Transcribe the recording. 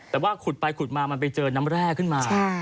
แต่ว่าขุดไปขุดมามันไปเจอน้ำแร่ขึ้นมา